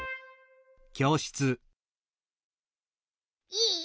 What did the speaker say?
いい？